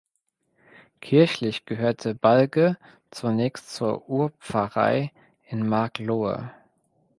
Kirchlich gehörte Balge zunächst zur Urpfarrei in Marklohe.